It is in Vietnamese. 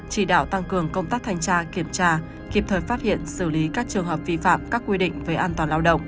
chỉ đạo tăng cường công tác thanh tra kiểm tra kịp thời phát hiện xử lý các trường hợp vi phạm các quy định về an toàn lao động